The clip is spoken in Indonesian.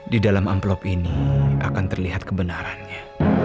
di dalam amplop ini akan terlihat kebenarannya